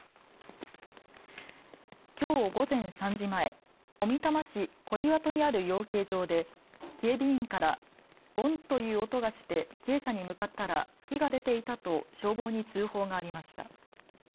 きょう午前３時前小美玉市小岩戸にある養鶏場で警備員からボンという音がして鶏舎に向かったら火が出ていたと消防に通報がありました。